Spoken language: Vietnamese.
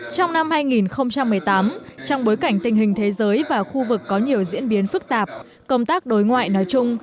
trong năm hai nghìn một mươi tám trong bối cảnh tình hình thế giới và khu vực có nhiều diễn biến phức tạp công tác đối ngoại nói chung